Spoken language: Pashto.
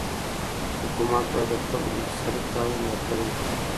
حکومت باید د خلګو د اقتصادي تعاون ملاتړ وکړي.